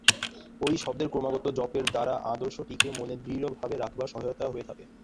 ঐ শব্দের ক্রমাগত জপের দ্বারা আদর্শটিকে মনে দৃঢ়ভাবে রাখবার সহায়তা হয়ে থাকে।